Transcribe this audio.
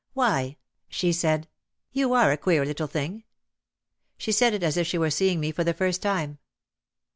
"Why," she said, "you are a queer little thing!" She said it as if she were seeing me for the first time.